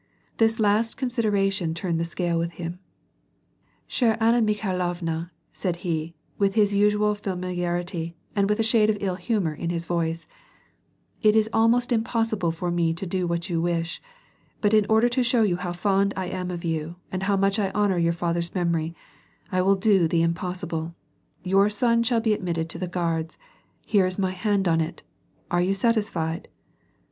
This last consideration turned the scale with him. '^ Ch^e Anna MikhailoTna," said he, with his usual familiar ity and with a shade of ill humor in his yoice :^< It is almost impossible for me to do what you wish ; but in order to show you how fond I au^ of you, and how much I honor your ^U^her's memory, I will do the impossible ; your son shall be admitted to the Guards, here is my hand on it. Are you sat isfied